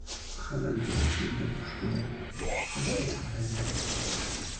خلګ د فیل د پښو نښو ته حیران سول.